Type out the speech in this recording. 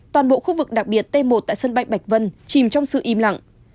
toàn bộ khu vực đặc biệt t một tại sân bay bạch vân chìm trong sự im lặng